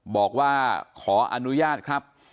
บอกว่าขออนุญาตครับ